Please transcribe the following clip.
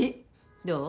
どう？